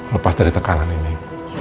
lepas dari tekanan ini